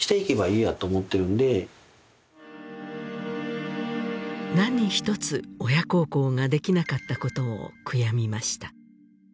えんやと思ってるんで何一つ親孝行ができなかったことを悔やみました